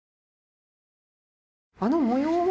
あの模様は？